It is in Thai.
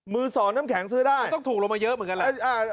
มือสองน้ำแข็งซื้อได้ต้องถูกลงมาเยอะเหมือนกันแหละ